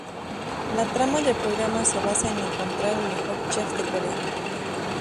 La trama del programa se basa en encontrar al mejor chef de Corea.